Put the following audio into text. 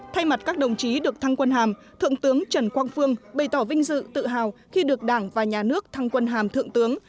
thay mặt các đồng chí được thăng quân hàm thượng tướng trần quang phương bày tỏ vinh dự tự hào khi được đảng và nhà nước thăng quân hàm thượng tướng